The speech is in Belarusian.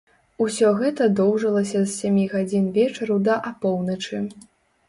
Усё гэта доўжылася з сямі гадзін вечару да апоўначы.